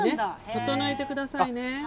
整えてくださいね。